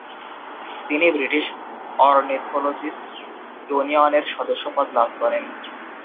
তিনি British ornithologists ইউনিয়নের সদস্যপদ লাভ করেন।